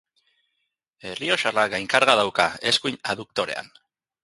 Errioxarrak gainkarga dauka eskuin abduktorean.